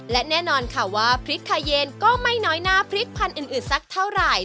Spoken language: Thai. และแน่นอนค่ะว่าพริกคาเยนก็ไม่น้อยหน้าพริกพันธุ์อื่นสักเท่าไหร่